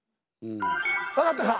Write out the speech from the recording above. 分かったか？